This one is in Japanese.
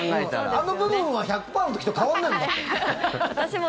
あの部分は１００％の時と変わらないもん。